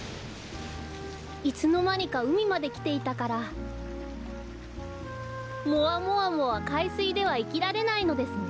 いつのまにかうみまできていたからもわもわもはかいすいではいきられないのですね。